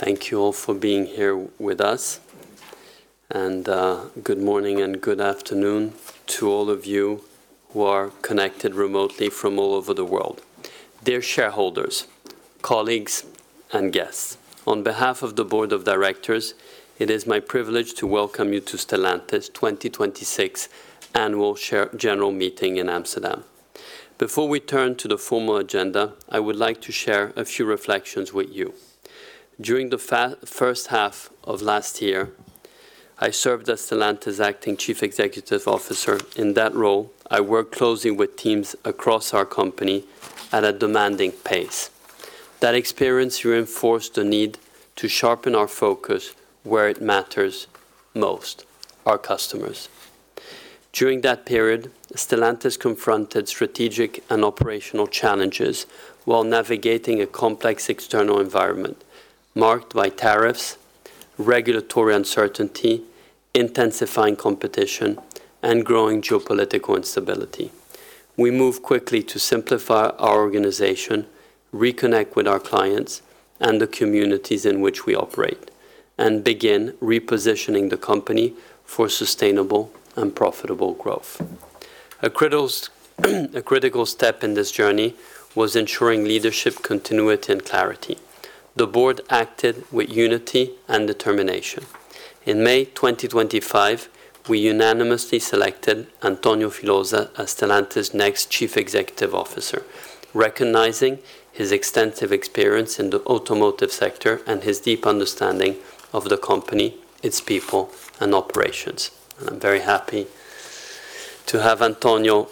Thank you all for being here with us, and good morning and good afternoon to all of you who are connected remotely from all over the world. Dear shareholders, colleagues, and guests, on behalf of the Board of Directors, it is my privilege to welcome you to Stellantis 2026 Annual Share General Meeting in Amsterdam. Before we turn to the formal agenda, I would like to share a few reflections with you. During the first half of last year, I served as Stellantis' Acting Chief Executive Officer. In that role, I worked closely with teams across our company at a demanding pace. That experience reinforced the need to sharpen our focus where it matters most, our customers. During that period, Stellantis confronted strategic and operational challenges while navigating a complex external environment marked by tariffs, regulatory uncertainty, intensifying competition, and growing geopolitical instability. We moved quickly to simplify our organization, reconnect with our clients and the communities in which we operate, and begin repositioning the company for sustainable and profitable growth. A critical step in this journey was ensuring leadership continuity and clarity. The Board acted with unity and determination. In May 2025, we unanimously selected Antonio Filosa as Stellantis's next Chief Executive Officer, recognizing his extensive experience in the automotive sector and his deep understanding of the company, its people, and operations. I'm very happy to have Antonio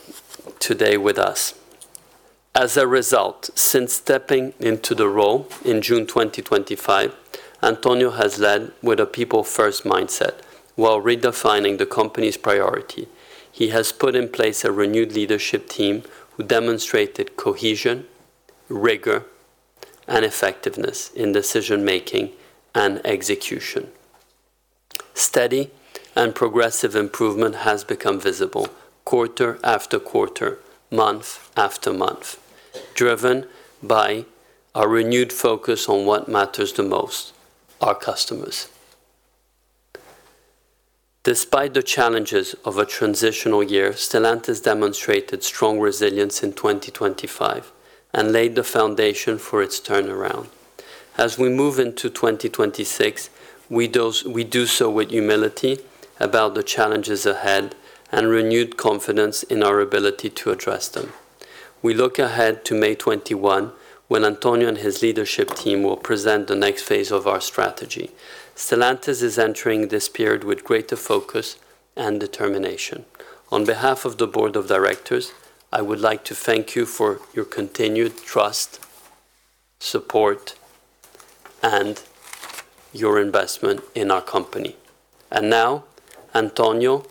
today with us. As a result, since stepping into the role in June 2025, Antonio has led with a people-first mindset. While redefining the company's priority, he has put in place a renewed leadership team who demonstrated cohesion, rigor, and effectiveness in decision-making and execution. Steady and progressive improvement has become visible quarter-after-quarter, month-after-month, driven by a renewed focus on what matters the most, our customers. Despite the challenges of a transitional year, Stellantis demonstrated strong resilience in 2025 and laid the foundation for its turnaround. As we move into 2026, we do so with humility about the challenges ahead and renewed confidence in our ability to address them. We look ahead to May 21, when Antonio and his leadership team will present the next phase of our strategy. Stellantis is entering this period with greater focus and determination. On behalf of the Board of Directors, I would like to thank you for your continued trust, support, and your investment in our company. Now Antonio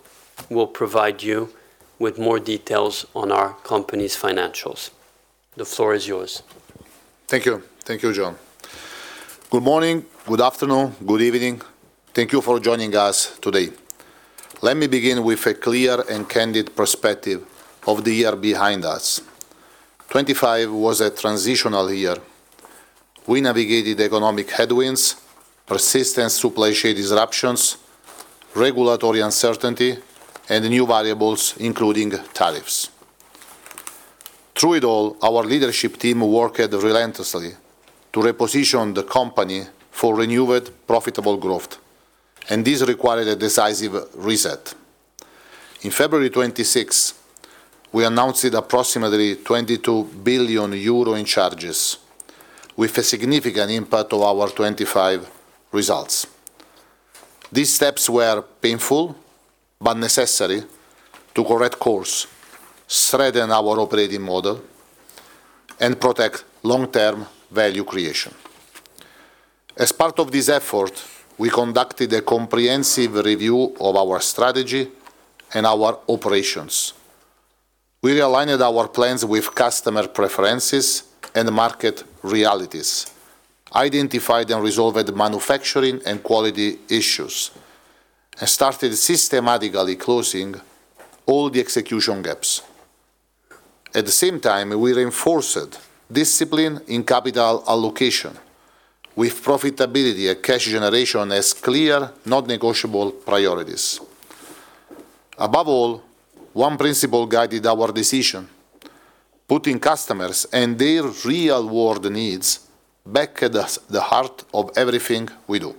will provide you with more details on our company's financials. The floor is yours. Thank you. Thank you, John. Good morning, good afternoon, good evening. Thank you for joining us today. Let me begin with a clear and candid perspective of the year behind us. 2025 was a transitional year. We navigated economic headwinds, persistent supply chain disruptions, regulatory uncertainty, and new variables, including tariffs. Through it all, our leadership team worked relentlessly to reposition the company for renewed profitable growth, and this required a decisive reset. In February 2026, we announced approximately 22 billion euro in charges, with a significant impact on our 2025 results. These steps were painful but necessary to correct course, strengthen our operating model, and protect long-term value creation. As part of this effort, we conducted a comprehensive review of our strategy and our operations. We realigned our plans with customer preferences and market realities, identified and resolved manufacturing and quality issues, and started systematically closing all the execution gaps. At the same time, we reinforced discipline in capital allocation with profitability and cash generation as clear, non-negotiable priorities. Above all, one principle guided our decision, putting customers and their real-world needs back at the heart of everything we do.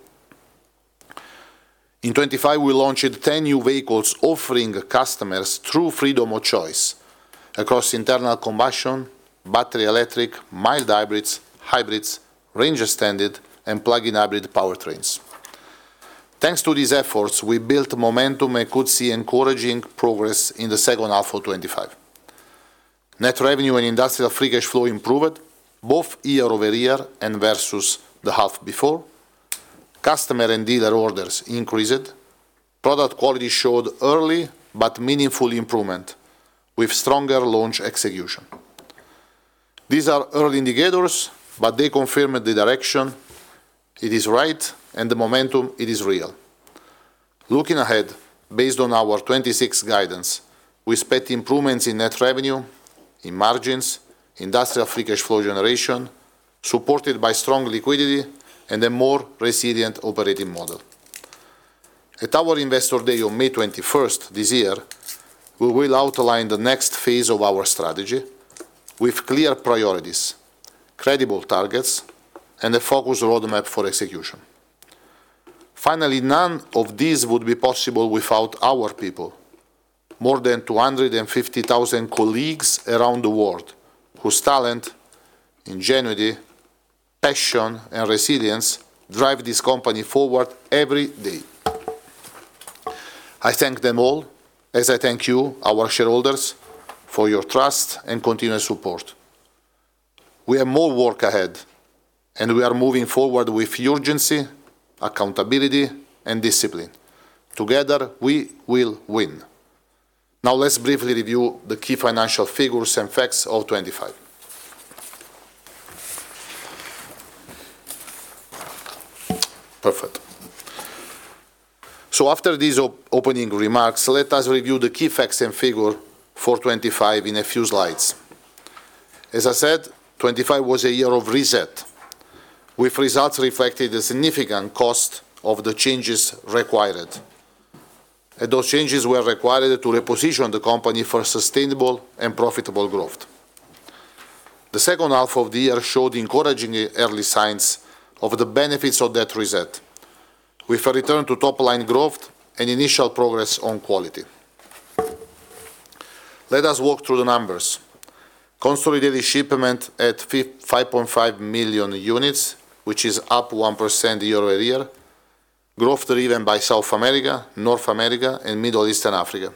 In 2025, we launched 10 new vehicles, offering customers true freedom of choice across internal combustion, battery electric, mild hybrids, range extended, and plug-in hybrid powertrains. Thanks to these efforts, we built momentum and could see encouraging progress in the second half of 2025. Net Revenue and Industrial Free Cash Flow improved both year-over-year and versus the half before. Customer and dealer orders increased. Product quality showed early but meaningful improvement, with stronger launch execution. These are early indicators, but they confirm the direction. It is right and the momentum, it is real. Looking ahead, based on our 2026 guidance, we expect improvements in net revenue, in margins, industrial free cash flow generation, supported by strong liquidity and a more resilient operating model. At our Investor Day on May 21st this year, we will outline the next phase of our strategy with clear priorities, credible targets, and a focused roadmap for execution. Finally, none of this would be possible without our people, more than 250,000 colleagues around the world, whose talent, ingenuity, passion, and resilience drive this company forward every day. I thank them all, as I thank you, our shareholders, for your trust and continuous support. We have more work ahead, and we are moving forward with urgency, accountability, and discipline. Together, we will win. Now, let's briefly review the key financial figures and facts of 2025. Perfect. After these opening remarks, let us review the key facts and figures for 2025 in a few slides. As I said, 2025 was a year of reset, with results reflecting the significant cost of the changes required. Those changes were required to reposition the company for sustainable and profitable growth. The second half of the year showed encouraging early signs of the benefits of that reset, with a return to top-line growth and initial progress on quality. Let us walk through the numbers. Consolidated shipment at 5.5 million units, which is up 1% year-over-year, growth driven by South America, North America, and Middle East and Africa.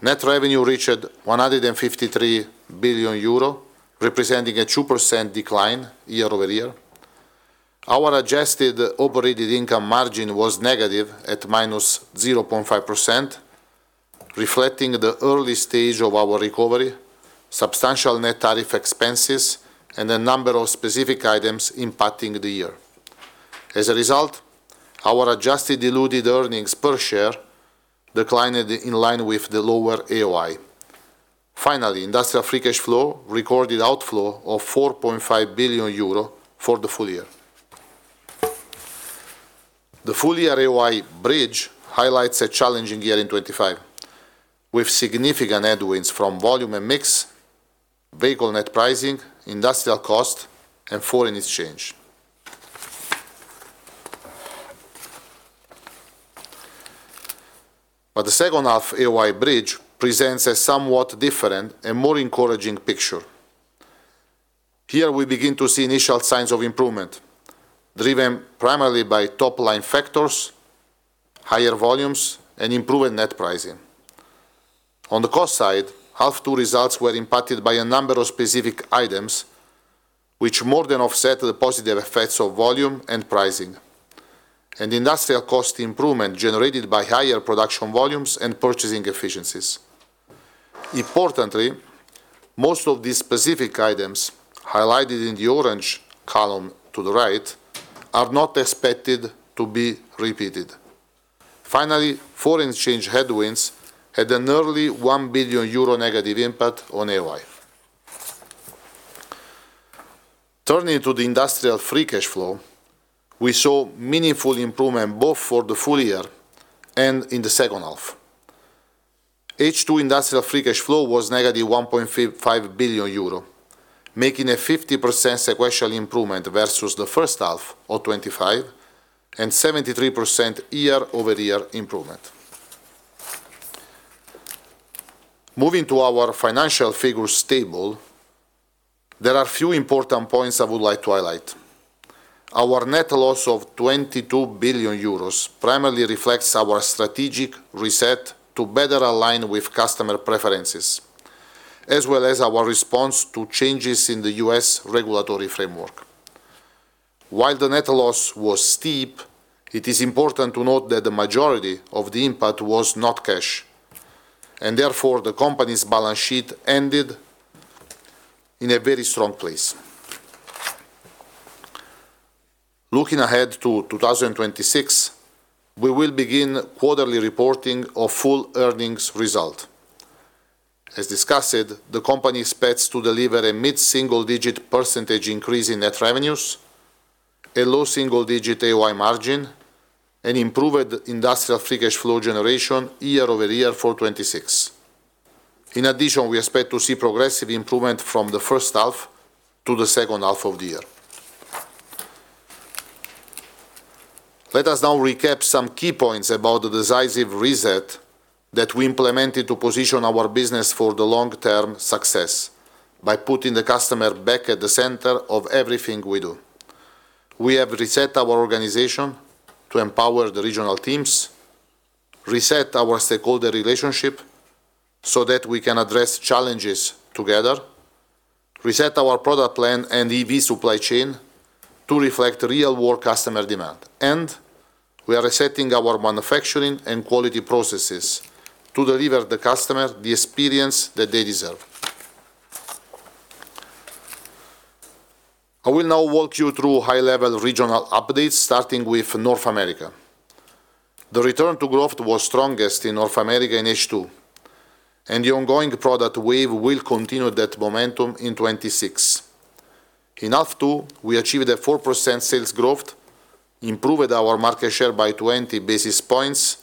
Net revenue reached 153 billion euro, representing a 2% decline year-over-year. Our adjusted operating income margin was negative at -0.5%, reflecting the early stage of our recovery, substantial net tariff expenses, and a number of specific items impacting the year. As a result, our adjusted diluted earnings per share declined in line with the lower AOI. Finally, industrial free cash flow recorded outflow of 4.5 billion euro for the full-year. The full-year AOI bridge highlights a challenging year in 2025, with significant headwinds from volume and mix, vehicle net pricing, industrial cost, and foreign exchange. The second half AOI bridge presents a somewhat different and more encouraging picture. Here, we begin to see initial signs of improvement, driven primarily by top-line factors, higher volumes, and improved net pricing. On the cost side, half two results were impacted by a number of specific items which more than offset the positive effects of volume and pricing. Industrial cost improvement generated by higher production volumes and purchasing efficiencies. Importantly, most of these specific items, highlighted in the orange column to the right, are not expected to be repeated. Finally, foreign exchange headwinds had an early 1 billion euro negative impact on AOI. Turning to the industrial free cash flow, we saw meaningful improvement both for the full-year and in the second half. H2 industrial free cash flow was -1.5 billion euro, making a 50% sequential improvement versus the first half of 2025 and 73% year-over-year improvement. Moving to our financial figures table, there are a few important points I would like to highlight. Our net loss of 22 billion euros primarily reflects our strategic reset to better align with customer preferences, as well as our response to changes in the U.S. regulatory framework. While the net loss was steep, it is important to note that the majority of the impact was not cash, and therefore the company's balance sheet ended in a very strong place. Looking ahead to 2026, we will begin quarterly reporting of full earnings result. As discussed, the company expects to deliver a mid-single-digit percentage increase in net revenues, a low single-digit AOI margin, and improved industrial free cash flow generation year-over-year for 2026. In addition, we expect to see progressive improvement from the first half to the second half of the year. Let us now recap some key points about the decisive reset that we implemented to position our business for the long-term success by putting the customer back at the center of everything we do. We have reset our organization to empower the regional teams, reset our stakeholder relationship so that we can address challenges together, reset our product plan and EV supply chain to reflect real-world customer demand, and we are resetting our manufacturing and quality processes to deliver the customer the experience that they deserve. I will now walk you through high-level regional updates, starting with North America. The return to growth was strongest in North America in H2, and the ongoing product wave will continue that momentum in 2026. In H2, we achieved a 4% sales growth, improved our market share by 20 basis points,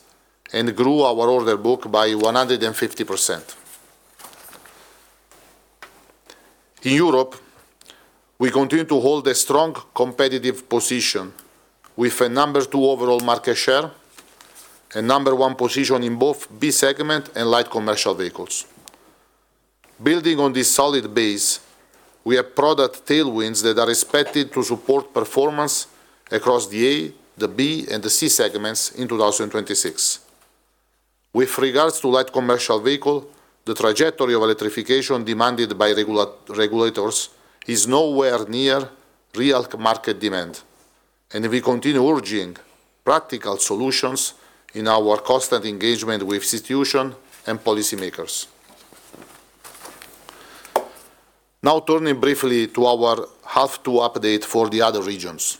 and grew our order book by 150%. In Europe, we continue to hold a strong competitive position with a number two overall market share and number one position in both B segment and light commercial vehicles. Building on this solid base, we have product tailwinds that are expected to support performance across the A, the B, and the C segments in 2026. With regards to light commercial vehicle, the trajectory of electrification demanded by regulators is nowhere near real market demand, and we continue urging practical solutions in our constant engagement with institutions and policymakers. Now turning briefly to our H2 update for the other regions.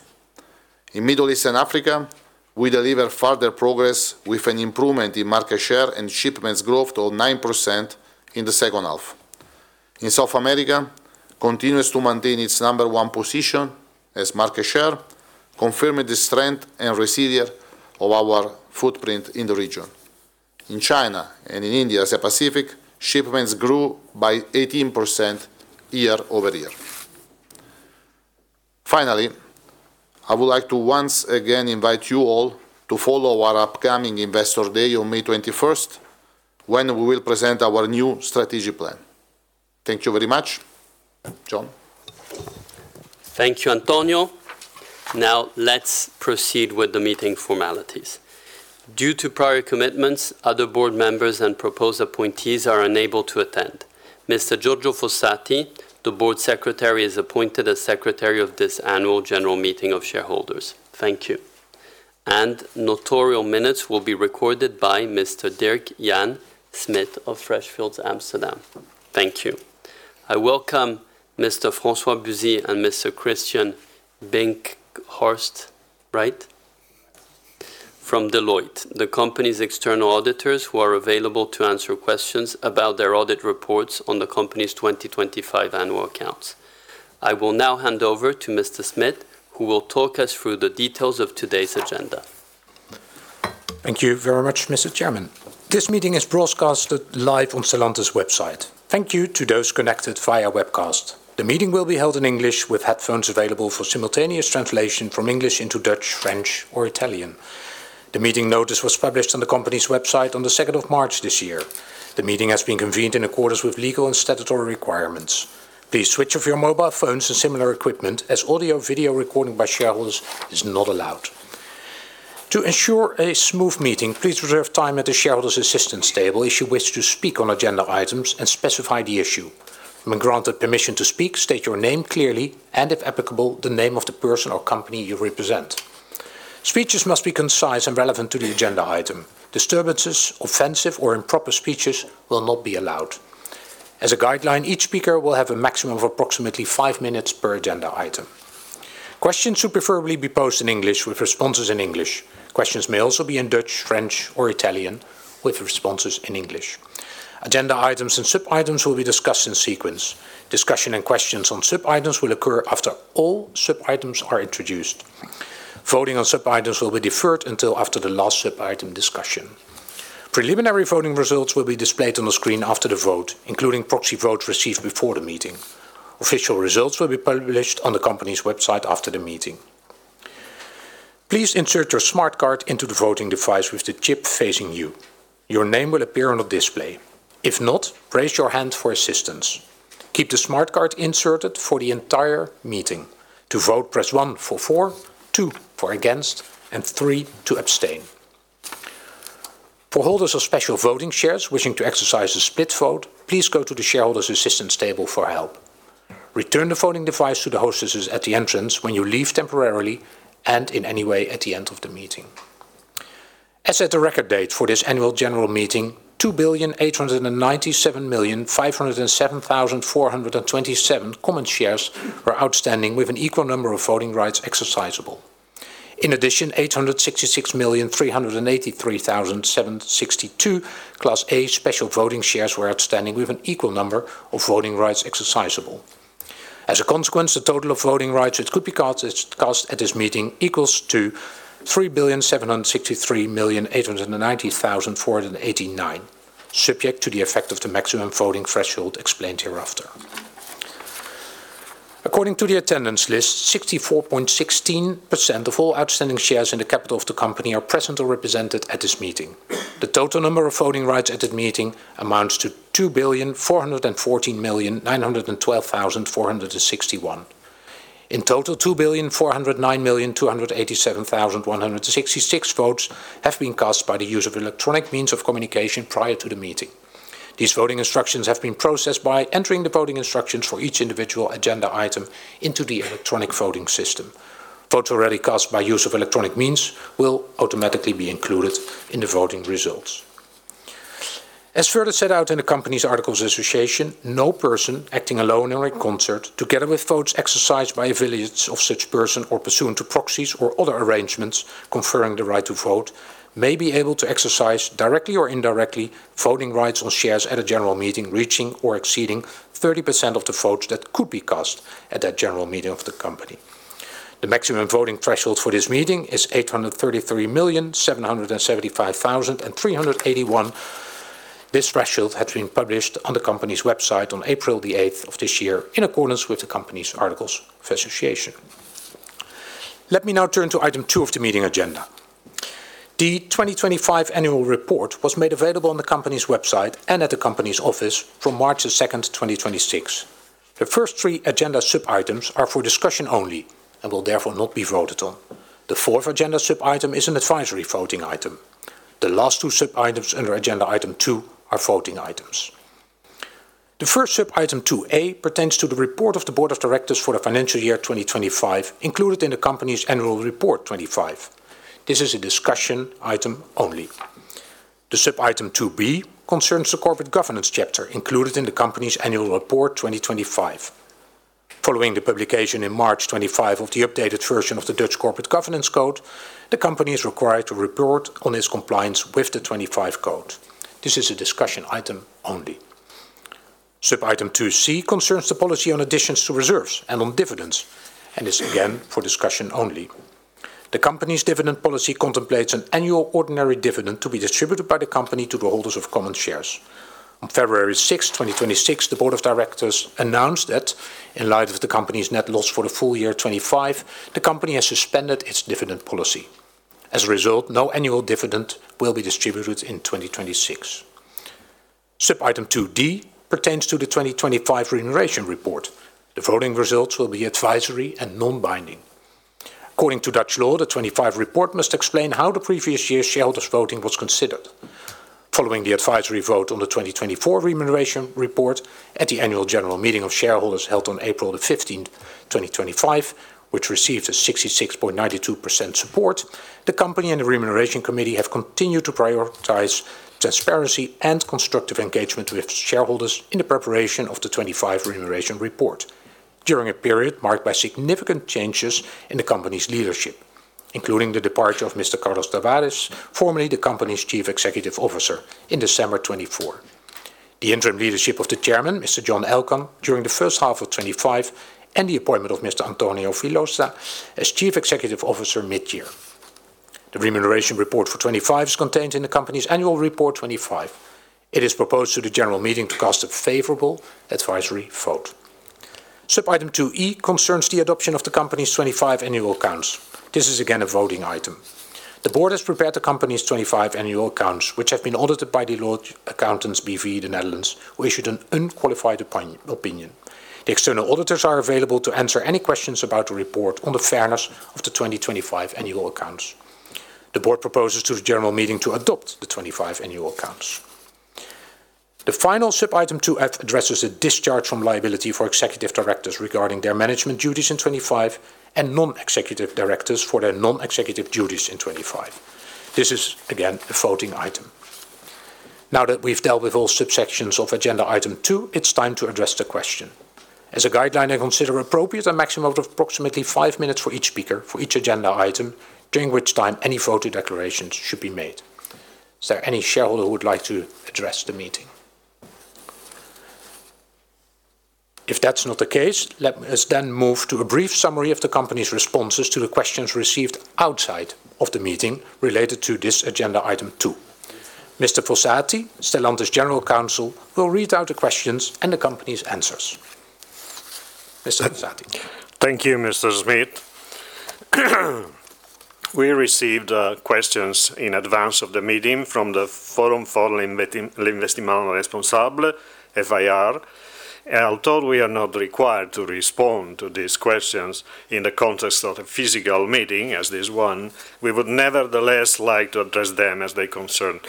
In Middle East and Africa, we deliver further progress with an improvement in market share and shipments growth of 9% in the second half. In South America, continues to maintain its number one position as market share, confirming the strength and resilience of our footprint in the region. In China and in India, Asia Pacific shipments grew by 18% year-over-year. Finally, I would like to once again invite you all to follow our upcoming Investor Day on May 21st, when we will present our new strategic plan. Thank you very much. John? Thank you, Antonio. Now, let's proceed with the meeting formalities. Due to prior commitments, other Board members and proposed appointees are unable to attend. Mr. Giorgio Fossati, the Board Secretary, is appointed as Secretary of this Annual General Meeting of Shareholders. Thank you. Notarial minutes will be recorded by Mr. Dirk-Jan Smit of Freshfields, Amsterdam. Thank you. I welcome Mr. François Buzzi and Mr. Christian Binkhorst from Deloitte, the Company's external auditors who are available to answer questions about their audit reports on the Company's 2025 annual accounts. I will now hand over to Mr. Smit, who will talk us through the details of today's agenda. Thank you very much, Mr. Chairman. This meeting is broadcasted live on Stellantis website. Thank you to those connected via webcast. The meeting will be held in English with headphones available for simultaneous translation from English into Dutch, French, or Italian. The meeting notice was published on the company's website on the second of March this year. The meeting has been convened in accordance with legal and statutory requirements. Please switch off your mobile phones and similar equipment, as audio-video recording by shareholders is not allowed. To ensure a smooth meeting, please reserve time at the shareholders' assistance table if you wish to speak on agenda items and specify the issue. When granted permission to speak, state your name clearly, and if applicable, the name of the person or company you represent. Speeches must be concise and relevant to the agenda item. Disturbances, offensive, or improper speeches will not be allowed. As a guideline, each speaker will have a maximum of approximately five minutes per agenda item. Questions should preferably be posed in English with responses in English. Questions may also be in Dutch, French, or Italian with responses in English. Agenda items and sub-items will be discussed in sequence. Discussion and questions on sub-items will occur after all sub-items are introduced. Voting on sub-items will be deferred until after the last sub-item discussion. Preliminary voting results will be displayed on the screen after the vote, including proxy votes received before the meeting. Official results will be published on the company's website after the meeting. Please insert your smart card into the voting device with the chip facing you. Your name will appear on the display. If not, raise your hand for assistance. Keep the smart card inserted for the entire meeting. To vote, press one for For, two for Against, and three to Abstain. For holders of special voting shares wishing to exercise a split vote, please go to the shareholders' assistance table for help. Return the voting device to the hostesses at the entrance when you leave temporarily and in any way at the end of the meeting. As at the record date for this Annual General Meeting, 2,897,507,427 common shares were outstanding with an equal number of voting rights exercisable. In addition, 866,383,762 Class A special voting shares were outstanding with an equal number of voting rights exercisable. As a consequence, the total of voting rights that could be cast at this meeting equals to 3,763,890,489, subject to the effect of the maximum voting threshold explained hereafter. According to the attendance list, 64.16% of all outstanding shares in the capital of the company are present or represented at this meeting. The total number of voting rights at the meeting amounts to 2,414,912,461. In total, 2,409,287,166 votes have been cast by the use of electronic means of communication prior to the meeting. These voting instructions have been processed by entering the voting instructions for each individual agenda item into the electronic voting system. Votes already cast by use of electronic means will automatically be included in the voting results. As further set out in the company's Articles of Association, no person acting alone or in concert, together with votes exercised by affiliates of such person or pursuant to proxies or other arrangements conferring the right to vote, may be able to exercise, directly or indirectly, voting rights on shares at a general meeting reaching or exceeding 30% of the votes that could be cast at that general meeting of the company. The maximum voting threshold for this meeting is 833,775,381. This threshold had been published on the company's website on April the 8th of this year in accordance with the company's Articles of Association. Let me now turn to item two of the meeting agenda. The 2025 Annual Report was made available on the Company's website and at the Company's office from March the 2nd, 2026. The first three agenda sub-items are for discussion only and will therefore not be voted on. The fourth agenda sub-item is an advisory voting item. The last two sub-items under agenda item two are voting items. The first sub-item 2A pertains to the report of the Board of Directors for the financial year 2025, included in the Company's Annual Report 2025. This is a discussion item only. The sub-item 2B concerns the corporate governance chapter included in the Company's Annual Report 2025. Following the publication in March 2025 of the updated version of the Dutch Corporate Governance Code, the Company is required to report on its compliance with the 2025 code. This is a discussion item only. Sub-item 2C concerns the policy on additions to reserves and on dividends, and is again for discussion only. The company's dividend policy contemplates an annual ordinary dividend to be distributed by the company to the holders of common shares. On February 6th, 2026, the Board of Directors announced that in light of the company's net loss for the full-year 2025, the company has suspended its dividend policy. As a result, no annual dividend will be distributed in 2026. Sub-item 2D pertains to the 2025 Remuneration Report. The voting results will be advisory and non-binding. According to Dutch law, the 2025 report must explain how the previous year's shareholders' voting was considered. Following the advisory vote on the 2024 Remuneration Report at the Annual General Meeting of shareholders held on April the 15th, 2025, which received a 66.92% support, the company and the Remuneration Committee have continued to prioritize transparency and constructive engagement with shareholders in the preparation of the 2025 Remuneration Report during a period marked by significant changes in the company's leadership, including the departure of Mr. Carlos Tavares, formerly the company's Chief Executive Officer in December 2024, the interim leadership of the Chairman, Mr. John Elkann, during the first half of 2025, and the appointment of Mr. Antonio Filosa as Chief Executive Officer mid-year. The Remuneration Report for 2025 is contained in the company's Annual Report 2025. It is proposed to the General Meeting to cast a favorable advisory vote. Sub-item 2E concerns the adoption of the company's 2025 Annual Accounts. This is again a voting item. The Board has prepared the Company's 2025 annual accounts, which have been audited by Deloitte Accountants B.V., the Netherlands, who issued an unqualified opinion. The external auditors are available to answer any questions about the report on the fairness of the 2025 annual accounts. The Board proposes to the General Meeting to adopt the 2025 annual accounts. The final Sub-Item 2F addresses a discharge from liability for Executive Directors regarding their management duties in 2025 and Non-Executive Directors for their non-executive duties in 2025. This is again a voting item. Now that we've dealt with all subsections of agenda item two, it's time to address the question. As a guideline, I consider appropriate a maximum of approximately five minutes for each speaker, for each agenda item, during which time any voting declarations should be made. Is there any shareholder who would like to address the meeting? If that's not the case, let us then move to a brief summary of the company's responses to the questions received outside of the meeting related to this agenda item two. Mr. Fossati, Stellantis General Counsel, will read out the questions and the company's answers. Mr. Fossati. Thank you, Mr. Smit. We received questions in advance of the meeting from the Forum pour l'Investissement Responsable, FIR. Although we are not required to respond to these questions in the context of a physical meeting as this one, we would nevertheless like to address them as they concern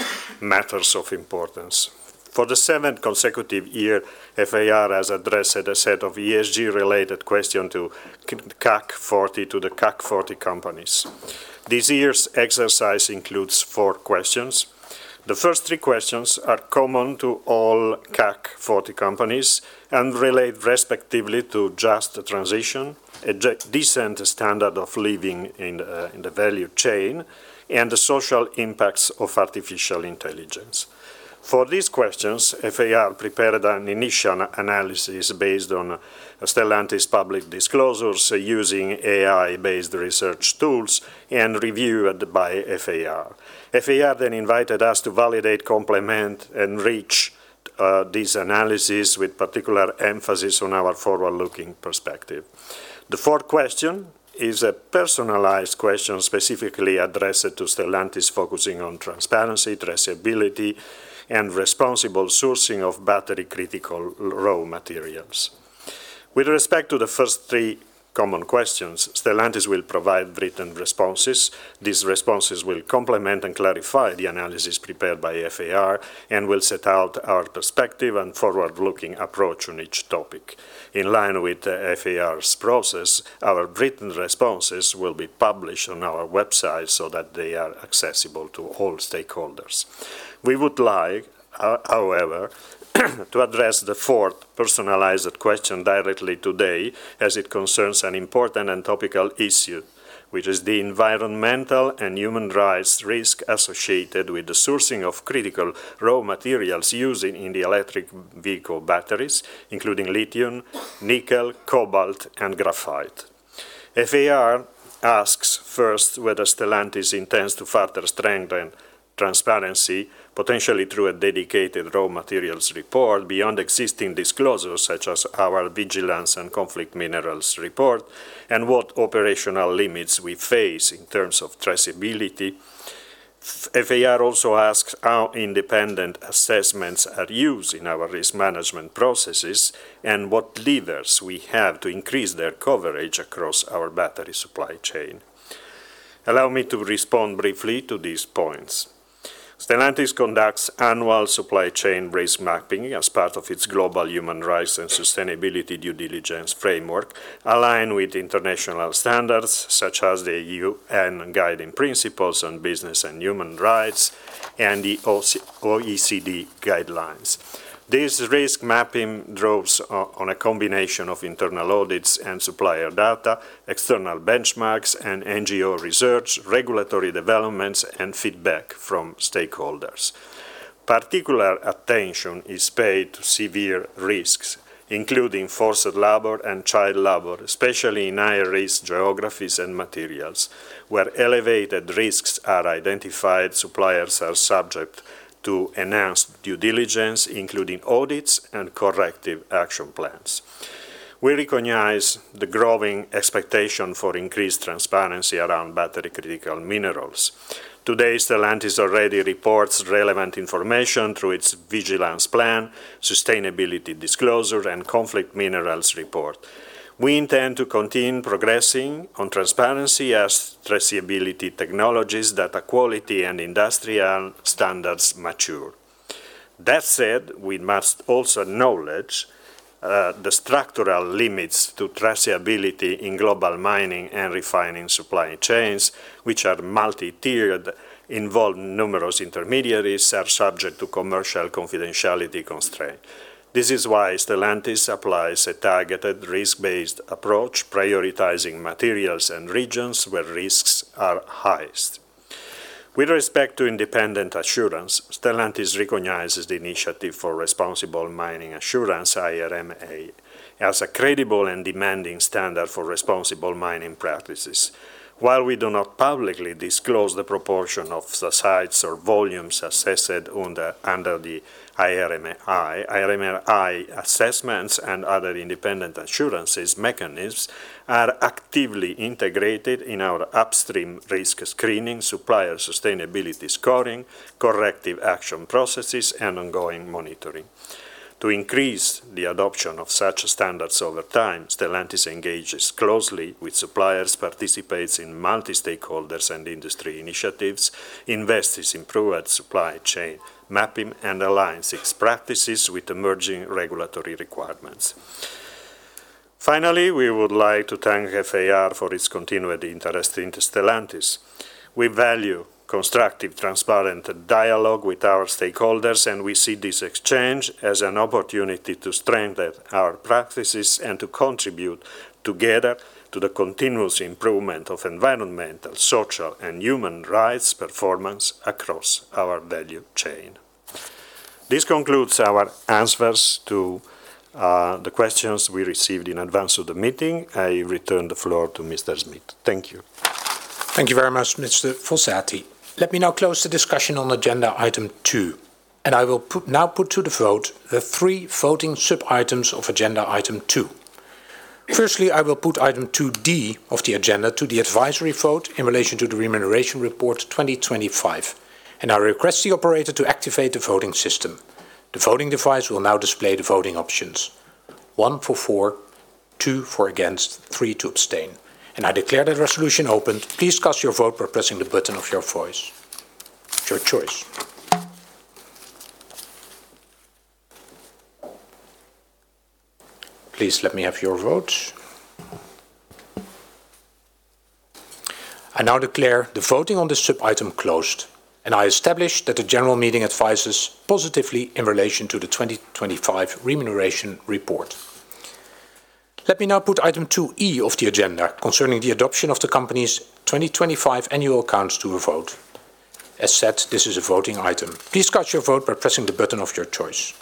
matters of importance. For the seventh consecutive year, FIR has addressed a set of ESG-related questions to the CAC 40 companies. This year's exercise includes four questions. The first three questions are common to all CAC 40 companies and relate respectively to just transition, a decent standard of living in the value chain, and the social impacts of artificial intelligence. For these questions, FIR prepared an initial analysis based on Stellantis' public disclosures using AI-based research tools and reviewed by FIR. FIR then invited us to validate, complement, and enrich this analysis with particular emphasis on our forward-looking perspective. The fourth question is a personalized question specifically addressed to Stellantis, focusing on transparency, traceability, and responsible sourcing of battery critical raw materials. With respect to the first three common questions, Stellantis will provide written responses. These responses will complement and clarify the analysis prepared by FIR and will set out our perspective and forward-looking approach on each topic. In line with FIR's process, our written responses will be published on our website so that they are accessible to all stakeholders. We would like, however, to address the fourth personalized question directly today, as it concerns an important and topical issue, which is the environmental and human rights risk associated with the sourcing of critical raw materials used in the electric vehicle batteries, including lithium, nickel, cobalt, and graphite. FIR asks first whether Stellantis intends to further strengthen transparency, potentially through a dedicated raw materials report beyond existing disclosures such as our Vigilance and Conflict Minerals Report, and what operational limits we face in terms of traceability. FIR also asks how independent assessments are used in our risk management processes and what levers we have to increase their coverage across our battery supply chain. Allow me to respond briefly to these points. Stellantis conducts annual supply chain risk mapping as part of its global human rights and sustainability due diligence framework, aligned with international standards such as the UN Guiding Principles on Business and Human Rights and the OECD Guidelines. This risk mapping draws on a combination of internal audits and supplier data, external benchmarks, and NGO research, regulatory developments, and feedback from stakeholders. Particular attention is paid to severe risks, including forced labor and child labor, especially in high-risk geographies and materials. Where elevated risks are identified, suppliers are subject to enhanced due diligence, including audits and corrective action plans. We recognize the growing expectation for increased transparency around battery critical minerals. Today, Stellantis already reports relevant information through its vigilance plan, sustainability disclosure, and conflict minerals report. We intend to continue progressing on transparency as traceability technologies, data quality, and industrial standards mature. That said, we must also acknowledge the structural limits to traceability in global mining and refining supply chains, which are multi-tiered, involve numerous intermediaries, are subject to commercial confidentiality constraints. This is why Stellantis applies a targeted risk-based approach, prioritizing materials and regions where risks are highest. With respect to independent assurance, Stellantis recognizes the Initiative for Responsible Mining Assurance, IRMA, as a credible and demanding standard for responsible mining practices. While we do not publicly disclose the proportion of sites or volumes assessed under the IRMA assessments and other independent assurance mechanisms are actively integrated in our upstream risk screening, supplier sustainability scoring, corrective action processes, and ongoing monitoring. To increase the adoption of such standards over time, Stellantis engages closely with suppliers, participates in multi-stakeholder and industry initiatives, invests in improved supply chain mapping, and aligns its practices with emerging regulatory requirements. Finally, we would like to thank FIR for its continued interest in Stellantis. We value constructive, transparent dialogue with our stakeholders, and we see this exchange as an opportunity to strengthen our practices and to contribute together to the continuous improvement of environmental, social, and human rights performance across our value chain. This concludes our answers to the questions we received in advance of the meeting. I return the floor to Mr. Smit. Thank you. Thank you very much, Mr. Fossati. Let me now close the discussion on agenda item two, and I will now put to the vote the three voting sub-items of agenda item two. Firstly, I will put item 2D of the agenda to the advisory vote in relation to the Remuneration Report 2025, and I request the operator to activate the voting system. The voting device will now display the voting options. One for for, two for against, three to abstain. I declare that resolution opened. Please cast your vote by pressing the button of your choice. Please let me have your vote. I now declare the voting on the sub-item closed, and I establish that the General Meeting advises positively in relation to the 2025 Remuneration Report. Let me now put item 2E of the agenda concerning the adoption of the company's 2025 annual accounts to a vote. As said, this is a voting item. Please cast your vote by pressing the button of your choice.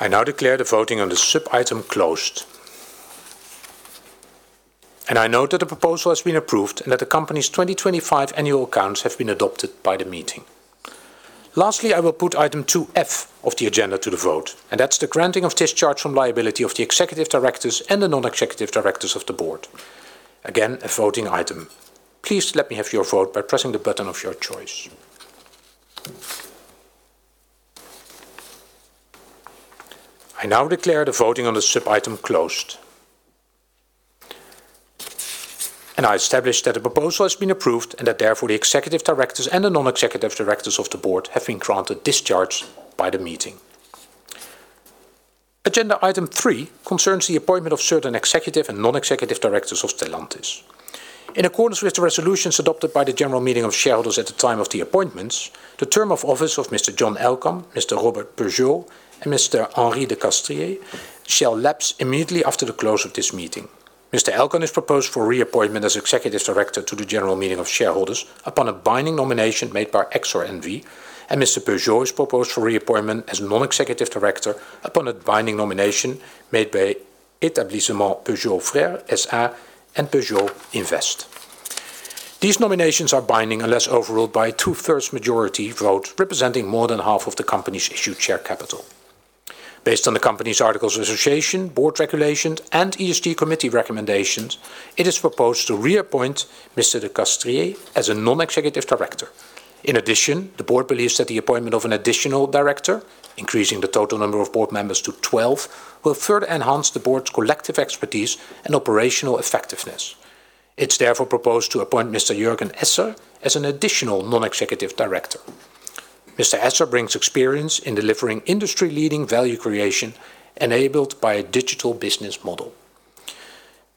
I now declare the voting on the sub-item closed. I note that the proposal has been approved and that the Company's 2025 Annual Accounts have been adopted by the Meeting. Lastly, I will put Item 2F of the Agenda to the vote, and that's the granting of discharge from liability of the Executive Directors and the Non-Executive Directors of the Board. Again, a voting item. Please let me have your vote by pressing the button of your choice. I now declare the voting on the sub-item closed. I establish that the proposal has been approved and that therefore the Executive Directors and the Non-Executive Directors of the Board have been granted discharge by the Meeting. Agenda Item three concerns the appointment of certain Executive and Non-Executive Directors of Stellantis. In accordance with the resolutions adopted by the General Meeting of Shareholders at the time of the appointments, the term of office of Mr. John Elkann, Mr. Robert Peugeot, and Mr. Henri de Castries shall lapse immediately after the close of this meeting. Mr. Elkann is proposed for reappointment as Executive Director to the General Meeting of Shareholders upon a binding nomination made by Exor N.V., and Mr. Peugeot is proposed for reappointment as Non-Executive Director upon a binding nomination made by Établissements Peugeot Frères S.A. and Peugeot Invest. These nominations are binding unless overruled by a 2/3 majority vote representing more than half of the company's issued share capital. Based on the company's Articles of Association, Board Regulations, and ESG Committee recommendations, it is proposed to reappoint Mr. de Castries as a Non-Executive Director. In addition, the Board believes that the appointment of an additional director, increasing the total number of Board members to 12, will further enhance the Board's collective expertise and operational effectiveness. It's therefore proposed to appoint Mr. Juergen Esser as an additional Non-Executive Director. Mr. Esser brings experience in delivering industry-leading value creation enabled by a digital business model.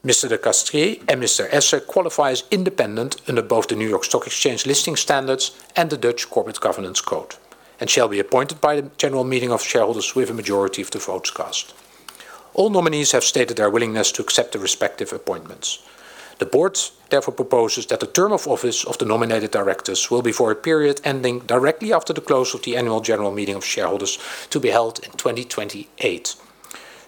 Mr. de Castries and Mr. Esser qualify as independent under both the New York Stock Exchange listing standards and the Dutch Corporate Governance Code and shall be appointed by the General Meeting of Shareholders with a majority of the votes cast. All nominees have stated their willingness to accept the respective appointments. The Board therefore proposes that the term of office of the nominated directors will be for a period ending directly after the close of the Annual General Meeting of Shareholders to be held in 2028.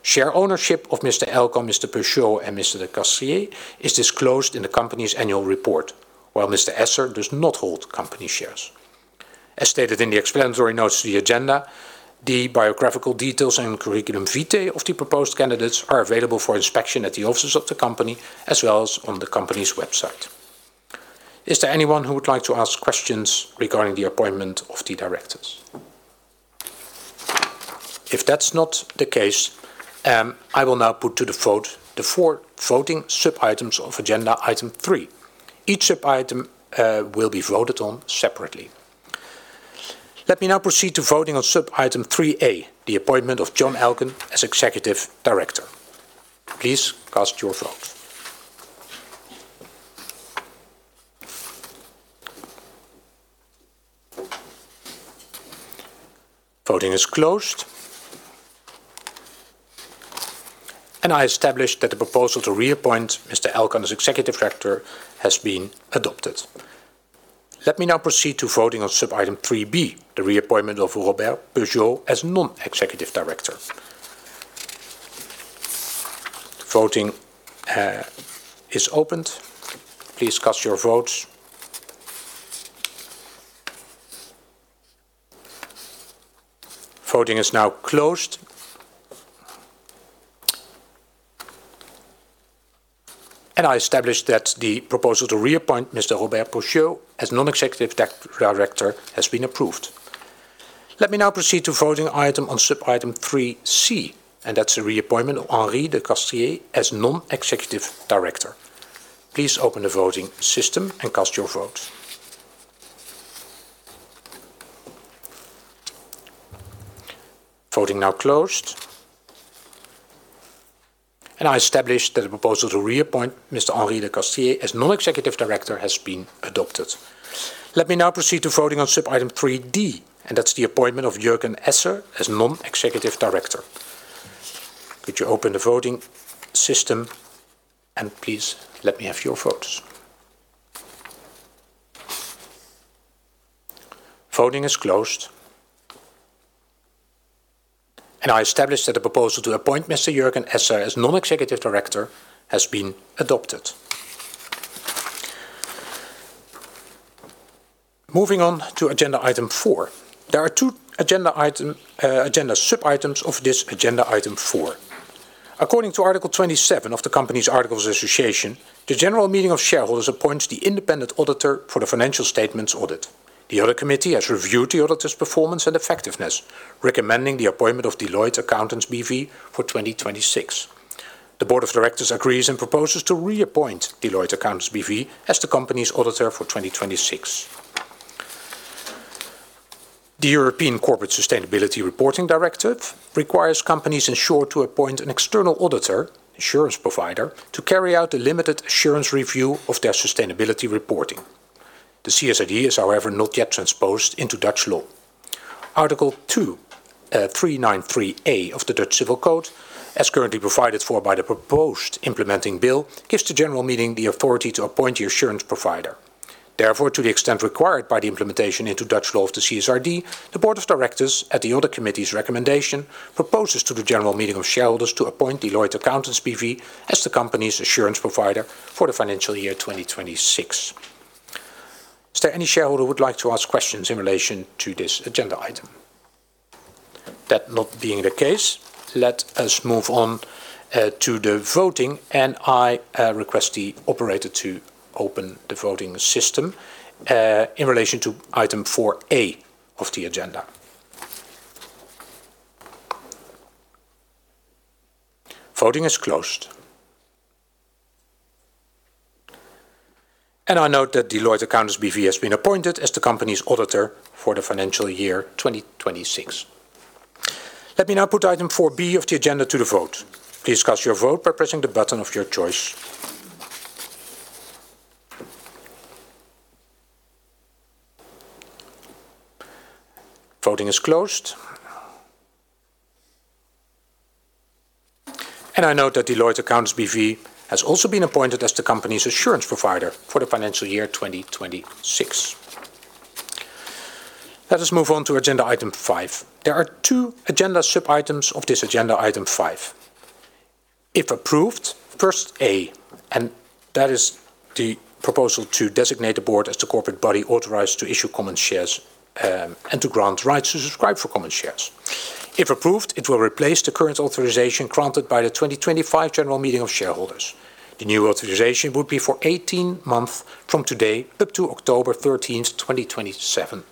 Share ownership of Mr. Elkann, Mr. Peugeot, and Mr. de Castries is disclosed in the company's annual report, while Mr. Esser does not hold company shares. As stated in the explanatory notes to the agenda, the biographical details and curriculum vitae of the proposed candidates are available for inspection at the offices of the company, as well as on the company's website. Is there anyone who would like to ask questions regarding the appointment of the directors? If that's not the case, I will now put to the vote the four voting sub-items of agenda item three. Each sub-item will be voted on separately. Let me now proceed to voting on sub-item 3A, the appointment of John Elkann as Executive Director. Please cast your vote. Voting is closed, and I establish that the proposal to reappoint Mr. Elkann as Executive Director has been adopted. Let me now proceed to voting on sub-item 3B, the reappointment of Robert Peugeot as Non-Executive Director. The voting is opened. Please cast your votes. Voting is now closed. I establish that the proposal to reappoint Mr. Robert Peugeot as Non-Executive Director has been approved. Let me now proceed to voting item on sub-item 3C, and that's the reappointment of Henri de Castries as Non-Executive Director. Please open the voting system and cast your votes. Voting now closed, and I establish that the proposal to reappoint Mr. Henri de Castries as Non-Executive Director has been adopted. Let me now proceed to voting on sub-item 3D, and that's the appointment of Juergen Esser as Non-Executive Director. Could you open the voting system and please let me have your votes. Voting is closed, and I establish that the proposal to appoint Mr. Juergen Esser as Non-Executive Director has been adopted. Moving on to agenda item four. There are two agenda sub-items of this agenda item four. According to Article 27 of the Company's Articles Association, the General Meeting of Shareholders appoints the independent auditor for the financial statements audit. The Audit Committee has reviewed the auditor's performance and effectiveness, recommending the appointment of Deloitte Accountants B.V. for 2026. The Board of Directors agrees and proposes to reappoint Deloitte Accountants B.V. as the Company's auditor for 2026. The European Corporate Sustainability Reporting Directive requires companies ensure to appoint an external auditor, assurance provider, to carry out a limited assurance review of their sustainability reporting. The CSRD is, however, not yet transposed into Dutch law. Article 2:393a of the Dutch Civil Code, as currently provided for by the proposed implementing bill, gives the General Meeting the authority to appoint the assurance provider. Therefore, to the extent required by the implementation into Dutch law of the CSRD, the Board of Directors, at the Audit Committee's recommendation, proposes to the General Meeting of Shareholders to appoint Deloitte Accountants B.V. as the company's assurance provider for the financial year 2026. Is there any shareholder who would like to ask questions in relation to this agenda item? That not being the case, let us move on to the voting, and I request the operator to open the voting system in relation to item four A of the agenda. Voting is closed, and I note that Deloitte Accountants B.V. has been appointed as the company's auditor for the financial year 2026. Let me now put item four B of the agenda to the vote. Please cast your vote by pressing the button of your choice. Voting is closed. I note that Deloitte Accountants B.V. has also been appointed as the Company's assurance provider for the financial year 2026. Let us move on to agenda item five. There are two agenda sub-items of this agenda item five. If approved, first A, and that is the proposal to designate the Board as the corporate body authorized to issue common shares and to grant rights to subscribe for common shares. If approved, it will replace the current authorization granted by the 2025 General Meeting of Shareholders. The new authorization would be for 18 months from today up to October 13th, 2027,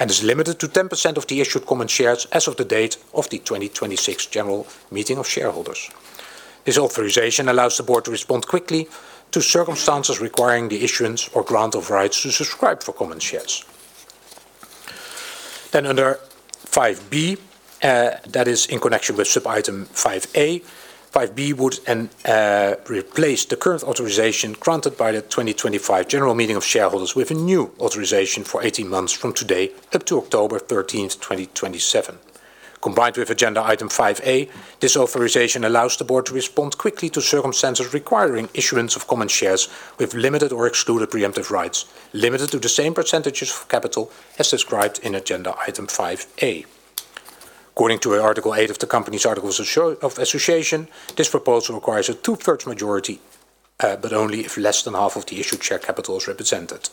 and is limited to 10% of the issued common shares as of the date of the 2026 General Meeting of Shareholders. This authorization allows the Board to respond quickly to circumstances requiring the issuance or grant of rights to subscribe for common shares. Under five B, that is in connection with Sub-item five A would replace the current authorization granted by the 2025 General Meeting of Shareholders with a new authorization for 18 months from today up to October 13th, 2027. Combined with Agenda Item five A, this authorization allows the Board to respond quickly to circumstances requiring issuance of common shares with limited or excluded preemptive rights, limited to the same percentages of capital as described in Agenda Item five A. According to Article eight of the Company's Articles of Association, this proposal requires a two-thirds majority, but only if less than half of the issued share capital is represented.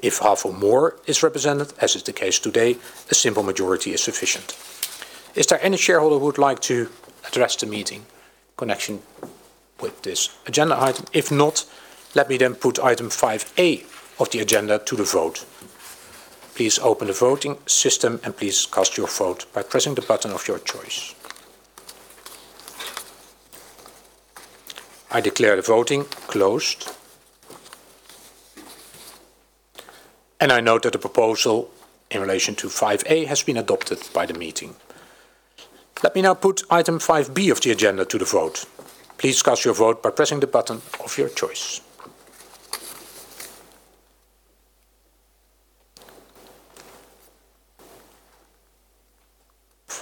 If half or more is represented, as is the case today, a simple majority is sufficient. Is there any shareholder who would like to address the Meeting in connection with this Agenda Item? If not, let me then put item five A of the agenda to the vote. Please open the voting system, and please cast your vote by pressing the button of your choice. I declare the voting closed, and I note that the proposal in relation to five A has been adopted by the meeting. Let me now put item five B of the agenda to the vote. Please cast your vote by pressing the button of your choice.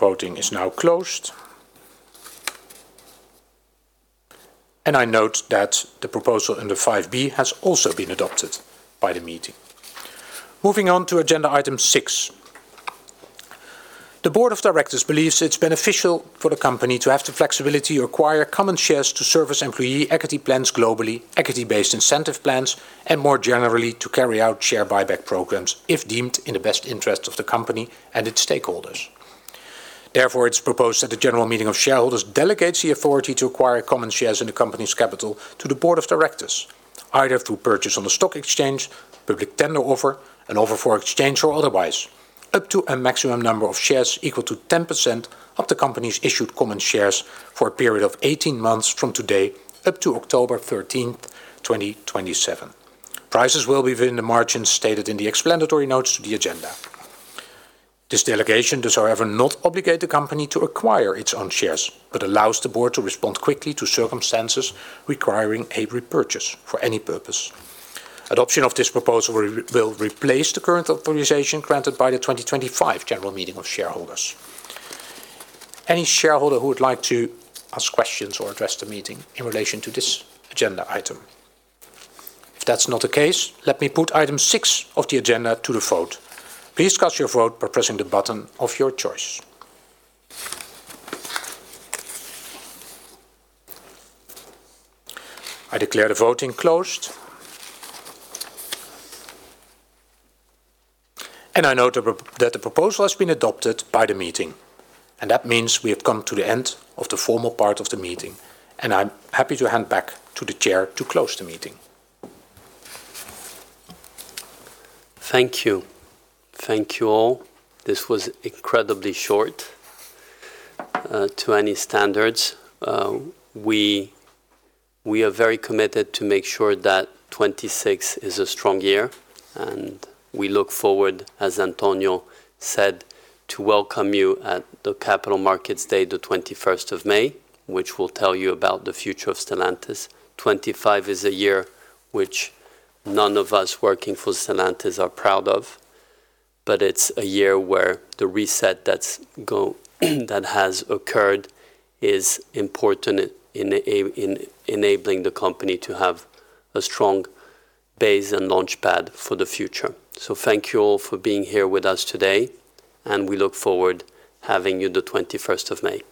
Voting is now closed, and I note that the proposal under five B has also been adopted by the meeting. Moving on to agenda item six. The Board of Directors believes it's beneficial for the company to have the flexibility to acquire common shares to service employee equity plans globally, equity-based incentive plans, and more generally, to carry out share buyback programs if deemed in the best interest of the company and its stakeholders. Therefore, it's proposed that the General Meeting of Shareholders delegates the authority to acquire common shares in the company's capital to the Board of Directors, either through purchase on the stock exchange, public tender offer, an offer for exchange, or otherwise, up to a maximum number of shares equal to 10% of the company's issued common shares for a period of 18 months from today up to October 13th, 2027. Prices will be within the margins stated in the explanatory notes to the agenda. This delegation does, however, not obligate the company to acquire its own shares but allows the Board to respond quickly to circumstances requiring a repurchase for any purpose. Adoption of this proposal will replace the current authorization granted by the 2025 General Meeting of Shareholders. Any shareholder who would like to ask questions or address the meeting in relation to this agenda item? If that's not the case, let me put item six of the agenda to the vote. Please cast your vote by pressing the button of your choice. I declare the voting closed, and I note that the proposal has been adopted by the meeting. That means we have come to the end of the formal part of the meeting. I'm happy to hand back to the Chair to close the meeting. Thank you. Thank you all. This was incredibly short to any standards. We are very committed to make sure that 2026 is a strong year, and we look forward, as Antonio said, to welcome you at the Capital Markets Day, the 21st of May, which will tell you about the future of Stellantis. 2025 is a year which none of us working for Stellantis are proud of, but it's a year where the reset that has occurred is important in enabling the company to have a strong base and launchpad for the future. Thank you all for being here with us today, and we look forward having you the 21st of May.